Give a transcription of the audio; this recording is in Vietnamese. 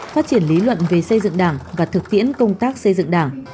phát triển lý luận về xây dựng đảng và thực tiễn công tác xây dựng đảng